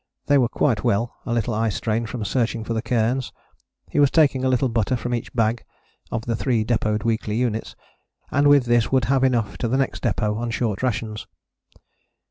They were quite well: a little eye strain from searching for cairns. He was taking a little butter from each bag [of the three depôted weekly units], and with this would have enough to the next depôt on short rations."